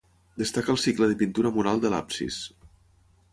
Destaca el cicle de pintura mural de l'absis.